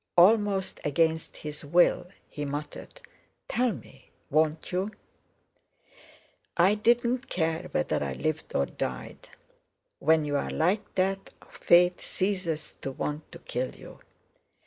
Almost against his will he muttered: "Tell me, won't you?" "I didn't care whether I lived or died. When you're like that, Fate ceases to want to kill you.